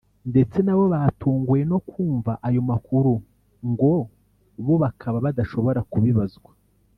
ndetse nabo batunguwe no kumva ayo makuru ngo bo bakaba badashobora kubibazwa